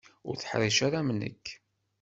Ur teḥṛiceḍ ara am nekk.